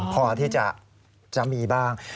พอที่จะมีบ้าง